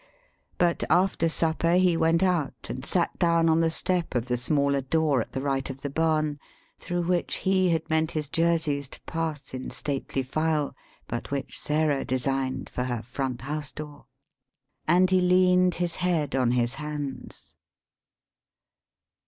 But after supper he went out, and sat down on the step of the smaller door at the right of the barn, through which he had meant his Jerseys to pass in stately file, but which Sarah designed for her front house door, and he leaned his head on his hands.